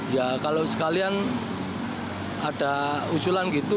ya kalau sekalian ada usulan gitu